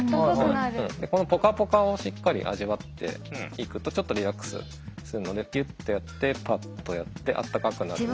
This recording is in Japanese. このポカポカをしっかり味わっていくとちょっとリラックスするのでギュッてやってパッとやってあったかくなる。